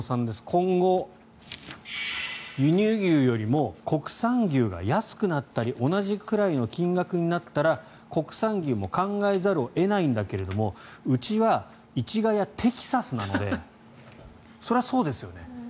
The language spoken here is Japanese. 今後、輸入牛よりも国産牛が安くなったり同じくらいの金額になったら国産牛も考えざるを得ないんだけれどもうちは市ヶ谷テキサスなのでそれはそうですよね